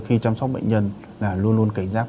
khi chăm sóc bệnh nhân là luôn luôn cảnh giác